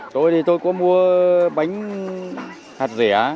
tôi thì tôi có mua bánh hạt rẻ